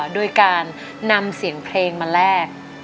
โดยการนำเสียงเพลงมาแลก